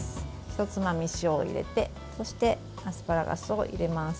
ひとつまみ、塩を入れてそしてアスパラガスを入れます。